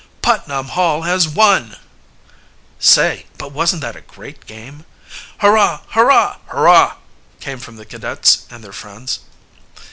"Putnam Hall has won!" "Say, but wasn't that a great game?" "Hurrah! hurrah! hurrah!" came from the cadets and their friends.